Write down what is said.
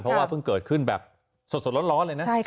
เพราะว่าเพิ่งเกิดขึ้นแบบสดสดร้อนร้อนเลยนะใช่ค่ะ